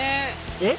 えっ？